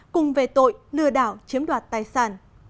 cùng về tội lừa đảo chiếm đoạt tài sản